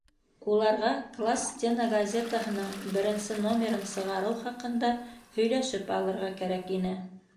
Уларға класс стена газетаһының беренсе номерын сығарыу хаҡында һөйләшеп алырға кәрәк ине.